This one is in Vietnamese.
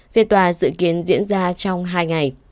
phiên tòa dự kiến diễn ra trong hai ngày